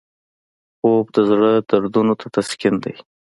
خوب د زړه دردونو ته تسکین دی